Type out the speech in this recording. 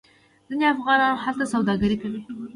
ځینې افغانان هلته سوداګري کوي.